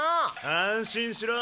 安心しろ。